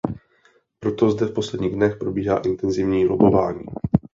Proto zde v posledních dnech probíhá intenzivní lobbování.